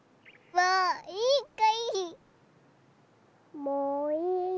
もういいよ。